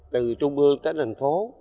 từ trung ương tới thành phố